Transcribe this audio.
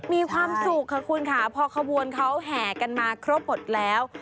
มีความสุขค่ะคุณค่ะพอขบวนเขาแห่กันมาครบหมดแล้ว